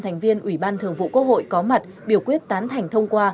nên ủy ban thường vụ quốc hội có mặt biểu quyết tán thành thông qua